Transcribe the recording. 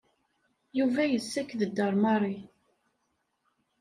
Yuba yessaked-d ar Mary.